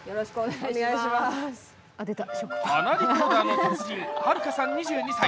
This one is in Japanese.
鼻リコーダーの達人、悠香さん２２歳。